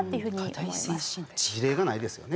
事例がないですよね。